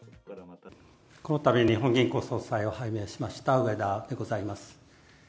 このたび日本銀行総裁を背任しました、植田でございます。